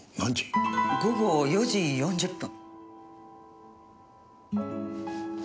午後４時４０分。